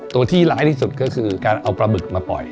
ตัวที่ร้ายที่สุดก็คือการเอาปลาบึกมาปล่อย